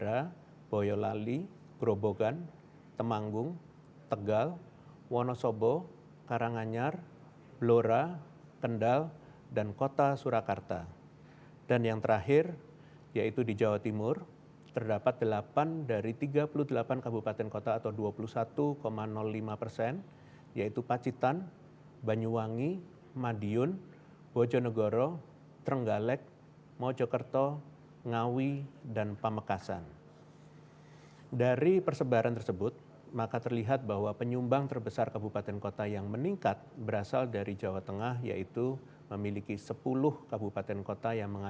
apakah ada upaya khusus yang